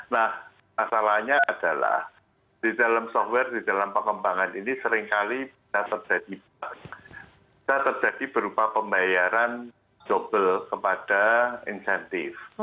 nah masalahnya adalah di dalam software di dalam pengembangan ini seringkali bisa terjadi berupa pembayaran double kepada insentif